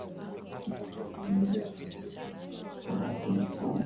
zakat ni nguzo ya tatu ya uislamu